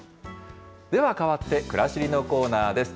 ではかわってくらしりのコーナーです。